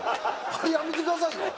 あれやめてくださいよ。